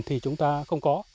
thì chúng ta không có